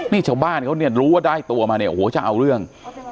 นี่ชาวบ้านเขาเนี่ยรู้ว่าได้ตัวมาเนี่ยโอ้โหจะเอาเรื่อง